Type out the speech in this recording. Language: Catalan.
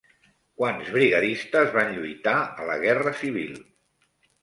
Quants brigadistes van lluitar a la Guerra Civil?